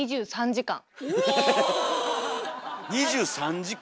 ２３時間！